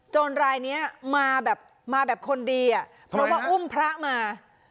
รายนี้มาแบบมาแบบคนดีอ่ะเพราะว่าอุ้มพระมา